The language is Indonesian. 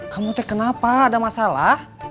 kamu kenapa ada masalah